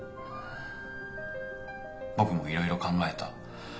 僕もいろいろ考えた。